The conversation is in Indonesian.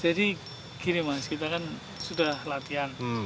jadi gini mas kita kan sudah latihan